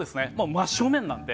真正面なので。